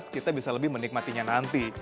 kita bisa lebih menikmatinya nanti